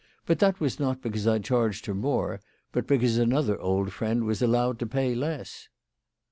But that was not because I charged her more, but because another old friend was allowed to pay less."